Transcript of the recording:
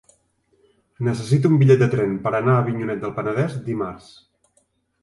Necessito un bitllet de tren per anar a Avinyonet del Penedès dimarts.